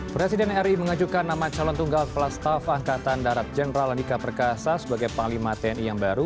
presiden ri mengajukan nama calon tunggal pelastaf angkatan darat jenderal andika perkasa sebagai panglima tni yang baru